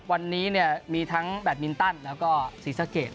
วันนี้มีทั้งแบดมินตันและสีสะเกด